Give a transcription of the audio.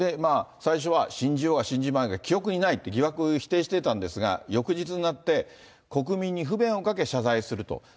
最初は信じようが信じまいが記憶にないって、疑惑を否定してたんですが、翌日になって、国民に不便をかけ、謝罪すると。